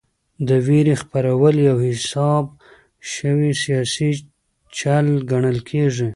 د وېرې خپرول یو حساب شوی سیاسي چل ګڼل کېږي.